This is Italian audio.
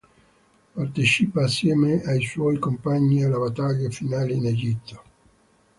Partecipa assieme ai suoi compagni alla battaglia finale in Egitto.